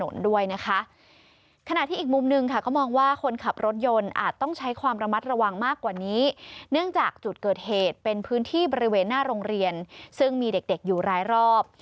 ซึ่งมีเด็กอยู่ร้ายรอบ